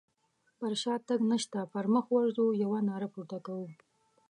پر شاتګ نشته پر مخ ورځو يوه ناره پورته کوو.